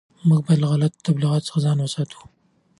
موږ باید له غلطو تبلیغاتو څخه ځان وساتو.